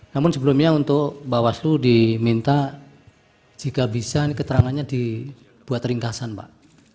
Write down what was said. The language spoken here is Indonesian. namun sebelumnya untuk bawaslu diminta jika bisa ini keterangannya dibuat ringkasan pak